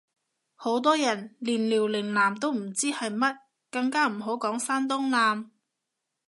好多人連遼寧艦都唔知係乜，更加唔好講山東艦